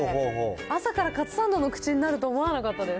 朝からカツサンドの口になると思わなかったです。